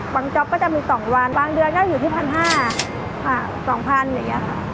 บางเดือนก็อยู่ที่๑๕๐๐บาทค่ะ๒๐๐๐บาท